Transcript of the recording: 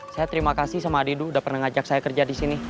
saya terima kasih sama adidu udah pernah ngajak saya kerja di sini